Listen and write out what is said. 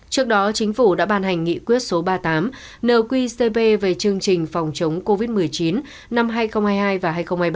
trước đó chính phủ đã bàn hành nghị quyết số ba mươi tám nờ quy cp về chương trình phòng chống covid một mươi chín năm hai nghìn hai mươi hai và hai nghìn hai mươi ba